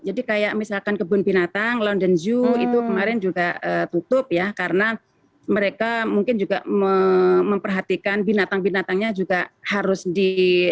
jadi kayak misalkan kebun binatang london zoo itu kemarin juga tutup ya karena mereka mungkin juga memperhatikan binatang binatangnya juga harus di